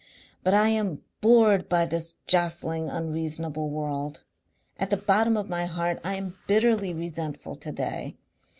"But I am bored by this jostling unreasonable world. At the bottom of my heart I am bitterly resentful to day.